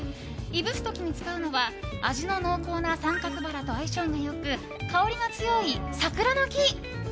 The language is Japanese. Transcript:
いぶす時に使うのは味の濃厚な三角バラと相性が良く、香りの強い桜の木。